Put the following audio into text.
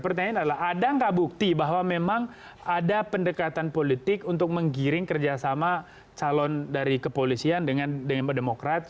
pertanyaan adalah ada nggak bukti bahwa memang ada pendekatan politik untuk menggiring kerjasama calon dari kepolisian dengan berdemokrat